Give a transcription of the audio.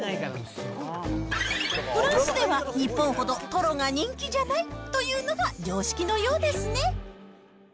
フランスでは日本ほどトロが人気じゃないというのが常識のようですね。